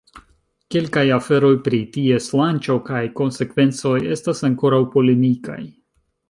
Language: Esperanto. Kelkaj aferoj pri ties lanĉo kaj konsekvencoj estas ankoraŭ polemikaj.